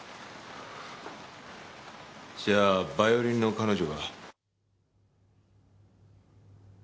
じゃあバイオリンの彼女が。